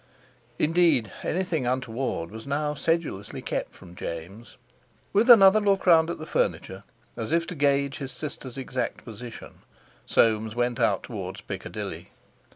Indeed, anything untoward was now sedulously kept from James. With another look round at the furniture, as if to gauge his sister's exact position, Soames went out towards Piccadilly.